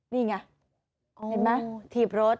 เนี่ยไงเห็นไหมเทียบรถ